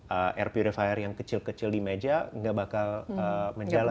air purifier yang kecil kecil di meja tidak akan berjalan